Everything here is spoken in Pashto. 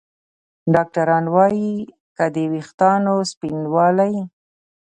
ډاکتران وايي که د ویښتانو سپینوالی